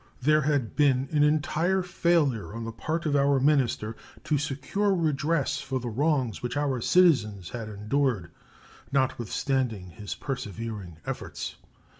There had been an entire failure on the part of our minister to secure redress for the wrongs which our citizens had endured, notwithstanding his persevering efforts.